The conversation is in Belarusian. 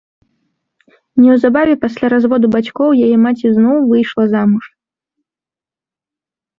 Неўзабаве пасля разводу бацькоў яе маці зноў выйшла замуж.